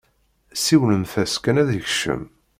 Siwlemt-as kan ad d-ikcem!